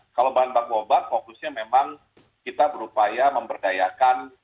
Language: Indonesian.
kalau bahan baku obat fokusnya memang kita berupaya memberdayakan